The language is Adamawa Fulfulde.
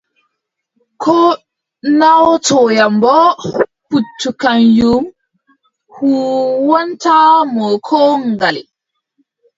Ko naawotoyam boo, puccu kanyum huuwwantaamo koo ngale.